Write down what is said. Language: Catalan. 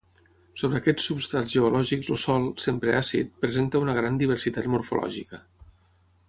Sobre aquests substrats geològics el sòl, sempre àcid, presenta una gran diversitat morfològica.